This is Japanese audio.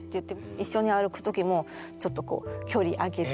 一緒に歩く時もちょっとこう距離空けて。